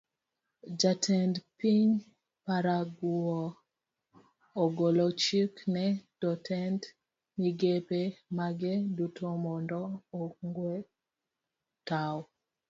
Jatend piny paraguay ogolo chik ne jotend migepe mage duto mondo ogue tao.